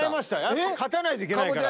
やっぱ勝たないといけないから。